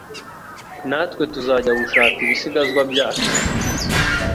Natwe tuzajya gushaka ibisigazwa byacu